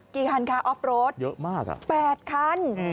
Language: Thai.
ปีนี้ค่ะออฟโรดเยอะมากค่ะ๘คัน